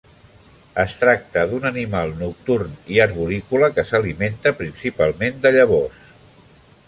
Es tracta d'un animal nocturn i arborícola que s'alimenta principalment de llavors.